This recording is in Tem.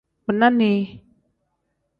Bina nii.